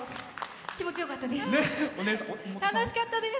気持ちよかったです。